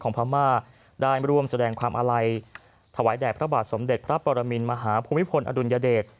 พม่าได้ร่วมแสดงความอาลัยถวายแด่พระบาทสมเด็จพระปรมินมหาภูมิพลอดุลยเดช